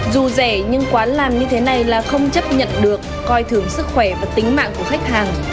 dù rẻ nhưng quán làm như thế này là không chấp nhận được coi thường sức khỏe và tính mạng của khách hàng